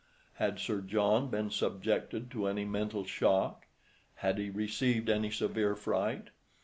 "Had Sir John been subjected to any mental shock; had he received any severe fright?"